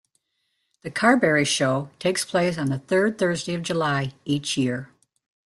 The Carbery Show takes place on the third Thursday of July each year.